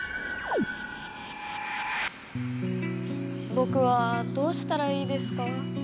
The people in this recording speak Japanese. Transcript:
ぼくはどうしたらいいですか？